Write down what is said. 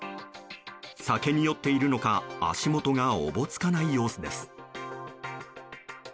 酒に酔っているのか足元がおぼつかない様子です。